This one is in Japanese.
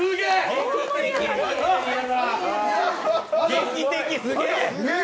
劇的、すげ！